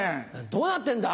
どうなってんだ？